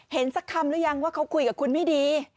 สักคำหรือยังว่าเขาคุยกับคุณไม่ดี